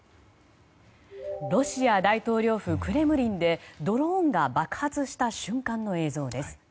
ロシア大統領府クレムリンでドローンが爆発した瞬間の映像です。